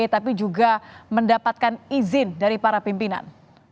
tapi juga mendapatkan izin dari para pimpinan